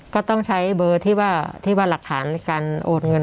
ก็ต้องใช้เบอร์ที่ว่าหลักฐานการโอนเงิน